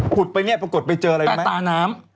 ผุดไปเนี่ยปรากฏไปเจออะไรไหม